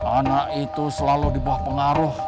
anak itu selalu dibuah pengaruh